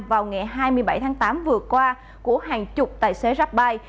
vào ngày hai mươi bảy tháng tám vừa qua của hàng chục tài xế rapbai